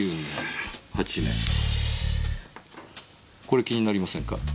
これ気になりませんか？